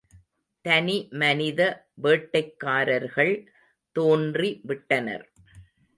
தனிமனித வேட்டைக்காரர்கள் தோன்றி விட்டனர்.